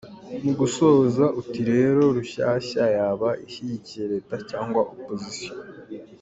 Mu gusoza uti rero, Rushyashya yaba ishyigikiye Leta cyangwa opposition ?